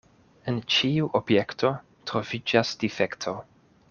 En ĉiu objekto troviĝas difekto.